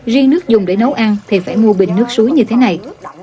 riêng nước dùng để nấu ăn thì phải mua bình nước suối như thế này